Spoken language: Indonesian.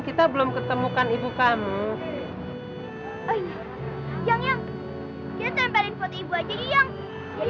kote dia punya muah kamu kumpul dan be examplenya itu dengan ini